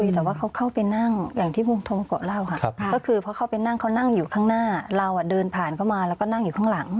แต่ว่าเขาเข้าไปนั่งก็คือเขาไปนั่งเขานั่งอยู่ข้างหน้าเราอะเดินผ่านเขาก็มาแล้วก็นั่งอยู่ข้างหลัง